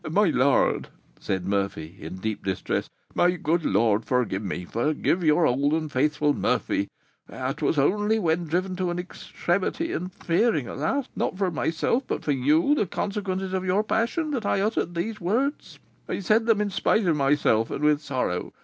"My lord," said Murphy, in deep distress, "my good lord, forgive me! Forgive your old and faithful Murphy. It was only when driven to an extremity, and fearing, alas! not for myself, but for you, the consequences of your passion, that I uttered those words. I said them in spite of myself, and with sorrow.